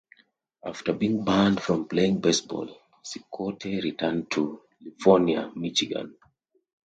After being banned from playing baseball, Cicotte returned to Livonia, Michigan.